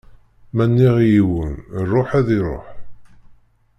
Ma nniɣ i yiwen: Ṛuḥ, ad iṛuḥ.